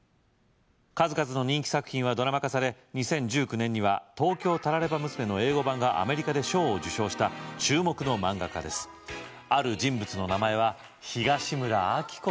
数々の人気作品はドラマ化され２０１９年には東京タラレバ娘の英語版アメリカで賞を受賞した注目の漫画家ですある人物の名前は東村アキコさんでした